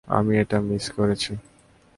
আমি এটা মিস করেছি।